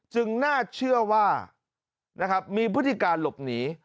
จึงน่าเชื่อว่ามีพฤติการหลบหนี